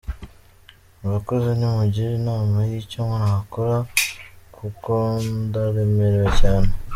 Murakoze nimungire inama y’icyo nakora kukondaremerewe cyane.